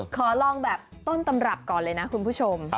ขอลองแบบต้นตำรับก่อนเลยนะคุณผู้ชม